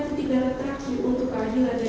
ketiga terakhir untuk keadilan dan